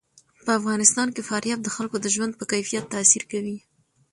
په افغانستان کې فاریاب د خلکو د ژوند په کیفیت تاثیر کوي.